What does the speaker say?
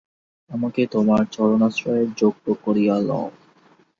আমাকে তোমার চরণাশ্রয়ের যোগ্য করিয়া লও।